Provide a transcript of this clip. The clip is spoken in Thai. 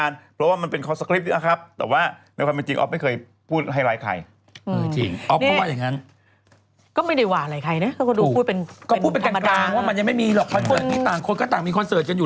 รวมจากการขายครีมนั่นเลย